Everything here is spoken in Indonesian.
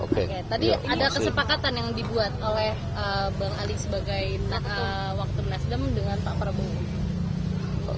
oke tadi ada kesepakatan yang dibuat oleh bang ali sebagai waktu nasdem dengan pak prabowo